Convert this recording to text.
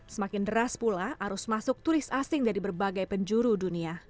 semakin deras pula arus masuk turis asing dari berbagai penjuru dunia